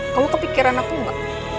kamu kepikiran aku ma